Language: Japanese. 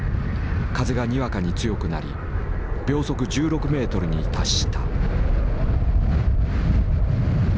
風がにわかに強くなり秒速１６ｍに達した。